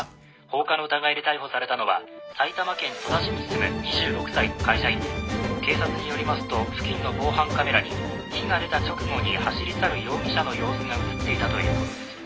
放火の疑いで逮捕されたのは埼玉県戸田市に住む２６歳の会社員で警察によりますと付近の防犯カメラに火が出た直後に走り去る容疑者の様子が写っていたということです